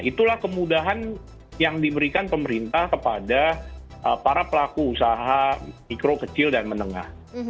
itulah kemudahan yang diberikan pemerintah kepada para pelaku usaha mikro kecil dan menengah